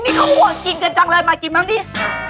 นี่เขาห่วงกินกันจังเลยมากินมากิน